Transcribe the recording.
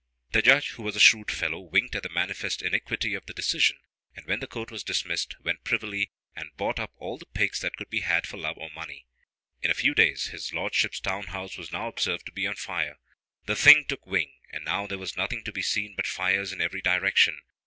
The judge, who was a shrewd fellow, winked at the manifest iniquity of the decision; and when the court was dismissed, went privily, and bought up all the pigs that could be had for love or money. In a few days his Lordship's town house was observed to be on fire. The thing took wing, and now there was nothing to be seen but fires in every direction.